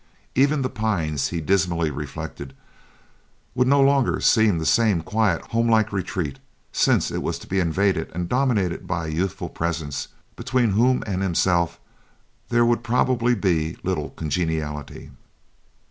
Even The Pines, he dismally reflected, would no longer seem the same quiet, homelike retreat, since it was to be invaded and dominated by a youthful presence between whom and himself there would probably be little congeniality.